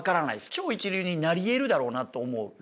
超一流になりえるだろうなと思う。